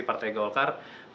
partai golongan karya